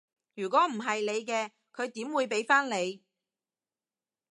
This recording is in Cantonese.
如果唔係你嘅，佢點解會畀返你？